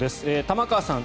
玉川さん